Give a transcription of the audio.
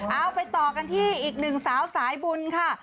เอาไปต่อกันที่อีกหนึ่งสาวสายบุญค่ะ